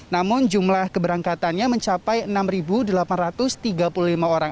namun jumlah keberangkatannya mencapai enam delapan ratus tiga puluh lima orang